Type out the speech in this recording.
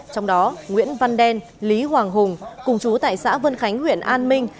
trong đó nguyễn văn đen lý hoàng hùng cùng chú tại xã vân khánh huyện an minh